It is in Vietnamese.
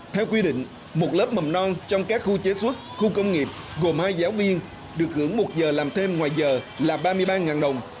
theo quy định một lớp mầm non trong các khu chế xuất khu công nghiệp gồm hai giáo viên được hưởng một giờ làm thêm ngoài giờ là ba mươi ba đồng